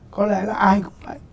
có lẽ là ai cũng vậy